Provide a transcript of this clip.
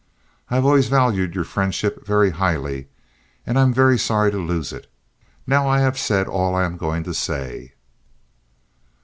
I have always valued your friendship very highly, and I am very sorry to lose it. Now I have said all I am going to say."